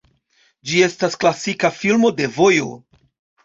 Ĝi estas klasika filmo de vojo.